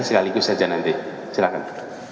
sekaligus saja nanti silahkan